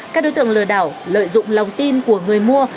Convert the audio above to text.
các đối tượng lừa đảo lợi dụng lòng tin của người mua